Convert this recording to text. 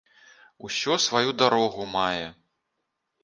Усё сваю дарогу мае